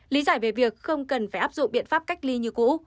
lý giải về việc không cần phải áp dụng biện pháp cách ly như cũ